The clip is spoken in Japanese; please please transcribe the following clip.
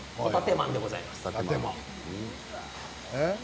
まんでございます。